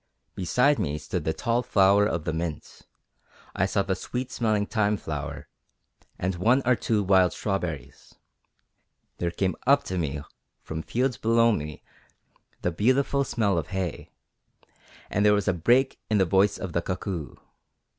Beside me stood the tall flower of the mint; I saw the sweet smelling thyme flower and one or two wild strawberries. There came up to me from fields below me the beautiful smell of hay, and there was a break in the voice of the cuckoo.